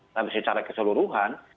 tapi secara keseluruhan